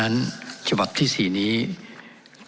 เป็นของวุทธธิสมาชิก๑๐๐